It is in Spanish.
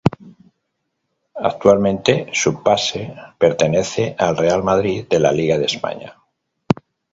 Actualmente su pase pertenece al Real Madrid de la La Liga de España.